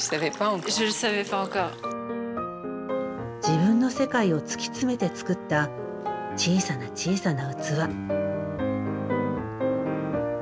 自分の世界を突き詰めて作った小さな小さな器。